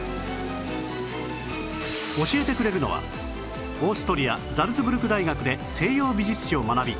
教えてくれるのはオーストリアザルツブルク大学で西洋美術史を学び